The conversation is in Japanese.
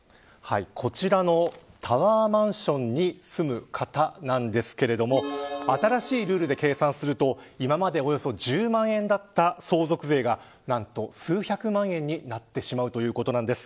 こちらのタワーマンションに住む方なんですけれども新しいルールで計算すると今までおよそ１０万円だった相続税が何と、数百万円になってしまうということなんです。